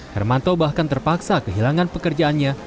hermanto bahkan terpaksa kehilangan pekerjaannya